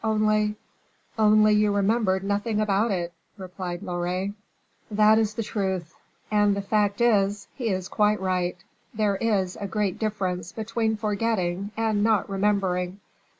only " "Only you remembered nothing about it," replied Loret. "That is the truth, and the fact is, he is quite right, there is a great difference between forgetting and not remembering."